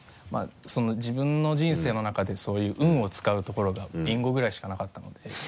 自分の人生の中でそういう運を使うところがビンゴぐらいしかなかったので。